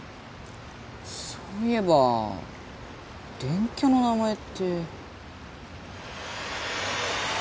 そういえば電キャの名前って。